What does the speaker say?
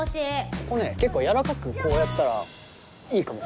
ここね結構やわらかくこうやったらいいかも。